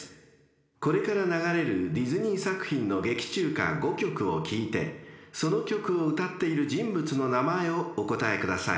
［これから流れるディズニー作品の劇中歌５曲を聞いてその曲を歌っている人物の名前をお答えください］